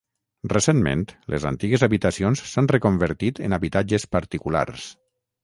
Recentment les antigues habitacions s'han reconvertit en habitatges particulars.